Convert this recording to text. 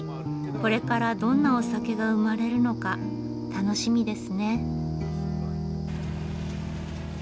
これからどんなお酒が生まれるのか楽しみですね。